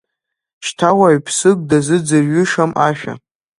Шьҭа уаҩԥсык дазыӡырҩышам ашәа.